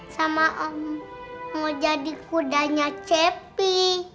sama om mau jadi kudanya cepi